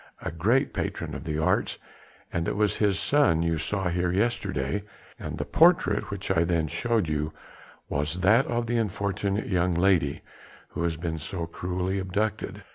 "A great patron of the arts ... it was his son you saw here yesterday, and the portrait which I then showed you was that of the unfortunate young lady who has been so cruelly abducted."